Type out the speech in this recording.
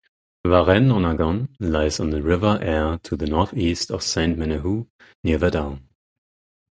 Varennes-en-Argonne lies on the river Aire to the northeast of Sainte-Menehould, near Verdun.